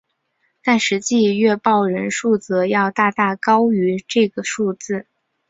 但实际阅报人数则要大大高于这个数字。